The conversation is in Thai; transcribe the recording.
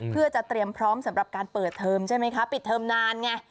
เพื่อจะเตรียมพร้อมสำหรับการเปิดเทอมใช่ไหมคะปิดเทอมนานไง